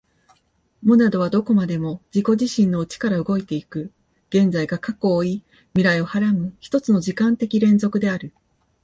モナドはどこまでも自己自身の内から動いて行く、現在が過去を負い未来を孕はらむ一つの時間的連続である。